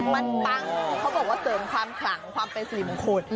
มันปังเขาบอกว่าเสริมความขลังความเป็นสิริมงคล